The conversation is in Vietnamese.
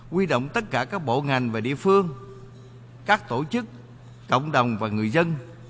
quy động tất cả các bộ ngành và địa phương các tổ chức cộng đồng và người dân